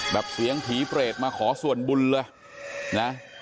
เสียงผีเปรตมาขอส่วนบุญเลยนะ